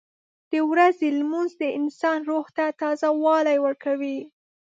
• د ورځې لمونځ د انسان روح ته تازهوالی ورکوي.